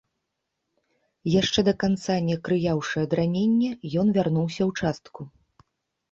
Яшчэ да канца не акрыяўшы ад ранення, ён вярнуўся ў частку.